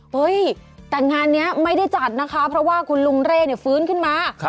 เฮ้ยแต่งานนี้ไม่ได้จัดนะคะเพราะว่าคุณลุงเร่ฟื้นขึ้นมา